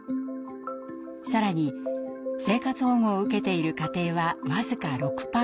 更に生活保護を受けている家庭は僅か６％。